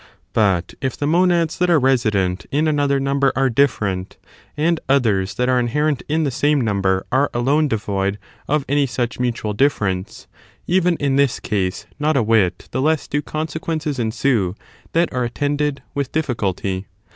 But if the monads* that are resident in another g Another number are different, and others that are inherent theory on this in the same number are aJone devoid of any such 5S(h*eqSa mutual difference, even in this case not a whit the ^Micuities, less do consequences ensue that are attended with difficulty.